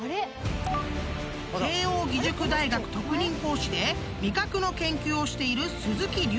［慶應義塾大学特任講師で味覚の研究をしている］